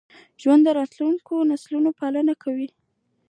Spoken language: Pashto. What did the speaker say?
ژوندي د راتلونکو نسلونو پالنه کوي